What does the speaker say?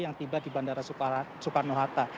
yang tiba di bandara soekarno hatta